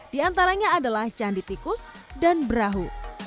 di antaranya adalah candi tikus dan brahu